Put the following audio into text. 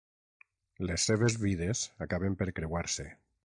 Les seves vides acaben per creuar-se.